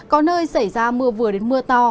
có nơi xảy ra mưa vừa đến mưa to